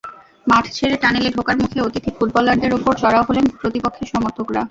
মাঠ ছেড়ে টানেলে ঢোকার মুখে অতিথি ফুটবলারদের ওপর চড়াও হলেন প্রতিপক্ষের সমর্থকেরা।